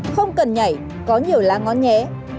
không cần nhảy có nhiều lá ngón nhẽ